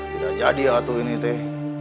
tidak jadi ya atuh ini teh